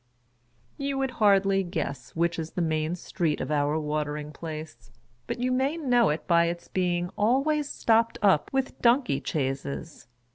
You would hardly guess which is the main street of our Watering Place, but you may know it by its being always stopped up with donkey chaises.